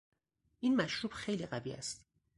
این مشروب خیلی قوی است.